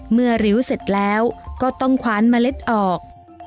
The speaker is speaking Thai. ริ้วเสร็จแล้วก็ต้องคว้านเมล็ดออก